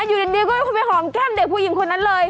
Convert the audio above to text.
อยู่ดีก็คุณไปหอมแก้มเด็กผู้หญิงคนนั้นเลย